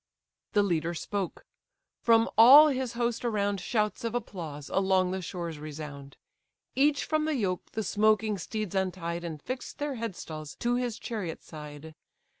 The leader spoke. From all his host around Shouts of applause along the shores resound. Each from the yoke the smoking steeds untied, And fix'd their headstalls to his chariot side.